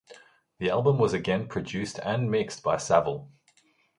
The album was again produced and mixed by Savell.